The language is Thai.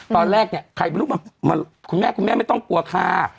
ตอนแรกเนี่ยใครไม่รู้มาคุณแม่คุณแม่ไม่ต้องกลัวค่ะ